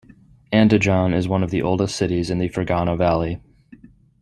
Andijan is one of the oldest cities in the Fergana Valley.